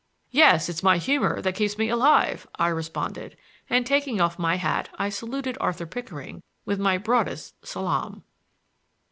"Yes; it's my humor that keeps me alive," I responded, and taking off my hat, I saluted Arthur Pickering with my broadest salaam.